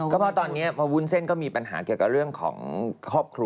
ก็เพราะตอนนี้พอวุ้นเส้นก็มีปัญหาเกี่ยวกับเรื่องของครอบครัว